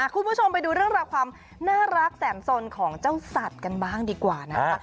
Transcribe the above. คุณผู้ชมไปดูเรื่องราวความน่ารักแสมสนของเจ้าสัตว์กันบ้างดีกว่านะคะ